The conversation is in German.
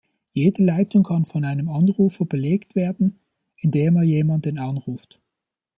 Jede Leitung kann von einem Anrufer belegt werden, indem er jemanden anruft.